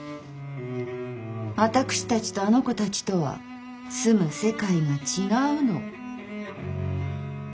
私たちとあの子たちとは住む世界が違うの。